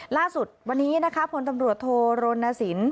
ล่าสุดวันนี้นะคะพลตำรวจโทรโนะศินปุ๋ย์